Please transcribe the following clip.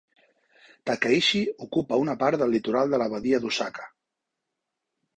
Takaishi ocupa una part del litoral de la badia d'Osaka.